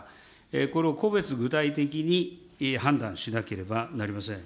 これを個別具体的に判断しなければなりません。